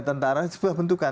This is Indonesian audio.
tentara sebuah bentukan